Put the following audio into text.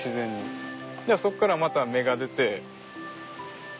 そこからまた芽が出て。